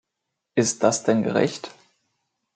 Ist das denn gerecht?